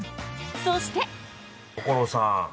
そして。